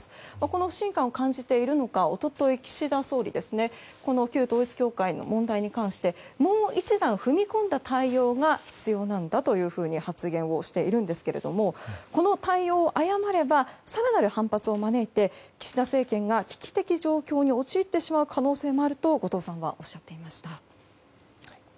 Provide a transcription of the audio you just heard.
この不信感を感じているのか一昨日、岸田総理この旧統一教会の問題に関してもう一段、踏み込んだ対応が必要なんだというふうに発言をしているんですけれどもこの対応を誤れば更なる反発を招いて岸田政権が危機的状況に陥ってしまう可能性もあると後藤さんはおっしゃっていました。